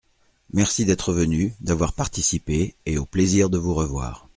Merci d’être venu, d’avoir participé et au plaisir de vous revoir.